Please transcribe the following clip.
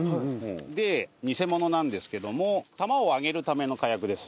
で偽物なんですけども玉をあげるための火薬です